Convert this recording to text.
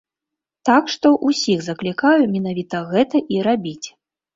Так што ўсіх заклікаю менавіта гэта і рабіць.